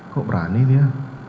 kok berani dia